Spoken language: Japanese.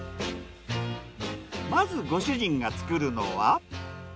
まずご主人が作るのは。